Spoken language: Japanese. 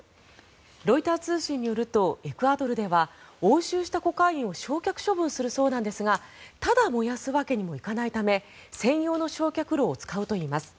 ロイター通信によるとエクアドルでは押収したコカインを焼却処分するそうなんですがただ燃やすわけにもいかないため専用の焼却炉を使うといいます。